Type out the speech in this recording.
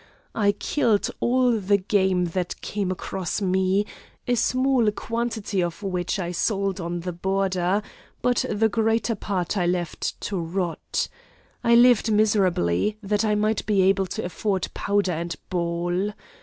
I killed all the game that came across me, a small quantity of which I sold on the border, but the greater part I left to rot. I lived miserably, that I might be able to afford powder and ball.